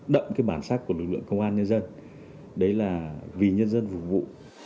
đậm cái bản sắc của lực lượng công an nhân dân đấy là vì nhân dân phục vụ